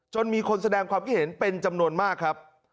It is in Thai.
มีคนแสดงความคิดเห็นเป็นจำนวนมากครับ